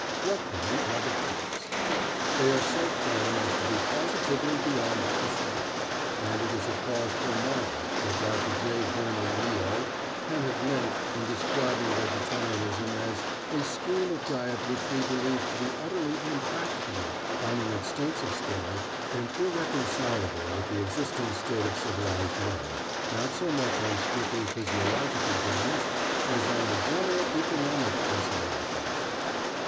What, then, are the facts? They are so plain as to be positively beyond dispute, and it is a cause for marvel what Dr. J. Burney Yeo can have meant in describing vegetarianism as "a scheme of diet which we believe to be utterly impracticable on an extensive scale, and irreconcilable with the existing state of civilised man, not so much on strictly physiological grounds as on general economical considerations."